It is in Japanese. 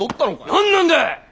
何なんだ！